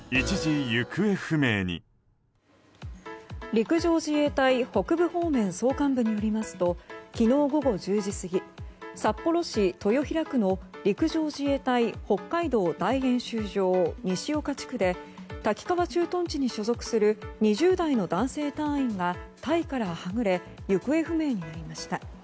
陸上自衛隊北部方面総監部によりますと昨日午後１０時過ぎ札幌市豊平区の陸上自衛隊北海道大演習場西岡地区で滝川駐屯地に所属する２０代の男性隊員が隊からはぐれ行方不明になりました。